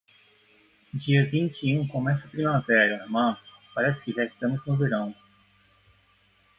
Dia vinte e um começa a primavera, mas, parece que já estamos no verão.